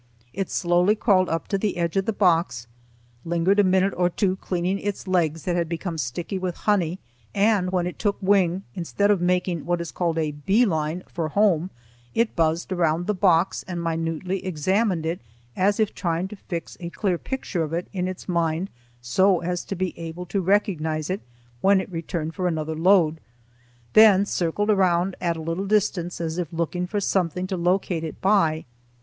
It slowly crawled up to the edge of the box, lingered a minute or two cleaning its legs that had become sticky with honey, and when it took wing, instead of making what is called a bee line for home, it buzzed around the box and minutely examined it as if trying to fix a clear picture of it in its mind so as to be able to recognize it when it returned for another load, then circled around at a little distance as if looking for something to locate it by.